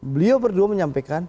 beliau berdua menyampaikan